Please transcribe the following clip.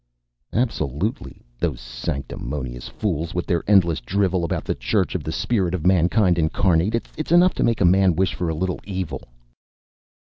"Absolutely. Those sanctimonious fools with their endless drivel about the Church of the Spirit of Mankind Incarnate. It's enough to make a man wish for a little evil...."